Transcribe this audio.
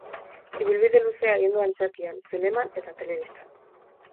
Ibilbide luzea egin du antzerkian, zineman eta telebistan.